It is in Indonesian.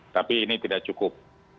tapi ini tidak cukup